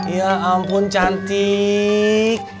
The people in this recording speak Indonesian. ya ampun cantik